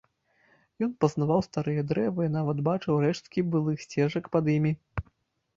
Ён пазнаваў старыя дрэвы і нават бачыў рэшткі былых сцежак пад імі.